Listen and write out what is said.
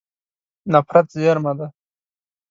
نفت زیرمه ده.